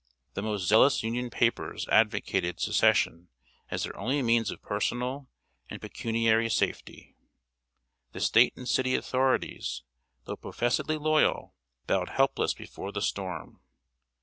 The most zealous Union papers advocated Secession as their only means of personal and pecuniary safety. The State and city authorities, though professedly loyal, bowed helpless before the storm.